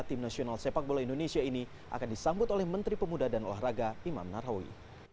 tim nasional sepak bola indonesia ini akan disambut oleh menteri pemuda dan olahraga imam nahrawi